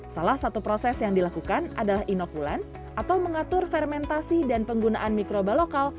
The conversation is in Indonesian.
salah satu proses yang dilakukan adalah inokulen atau mengatur fermentasi dan penggunaan mikroba lokal